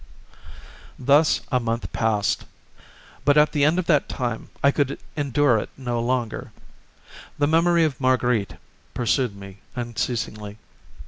Thus a month passed, but at the end of that time I could endure it no longer. The memory of Marguerite pursued me unceasingly.